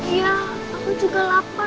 iya aku juga lapar